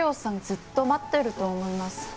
ずっと待ってると思います。